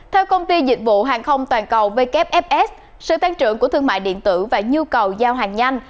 theo công ty dịch vụ hàng không toàn cầu vkfs sự tăng trưởng của thương mại điện tử và nhu cầu giao hàng nhanh